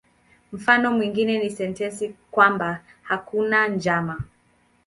Mfano mwingine ni sentensi kwamba "hakuna njama".